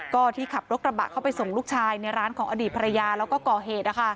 ก็ที่ขับรถกระบะเข้าไปส่งลูกชายในร้านของอดีตภรรยาแล้วก็ก่อเหตุ